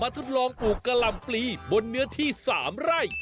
ต้องลองอุกกะล่ำปลีบนเนื้อที่๓ไร่